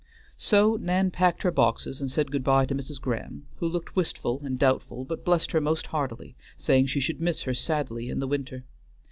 So Nan packed her boxes and said good by to Mrs. Graham, who looked wistful and doubtful, but blessed her most heartily, saying she should miss her sadly in the winter.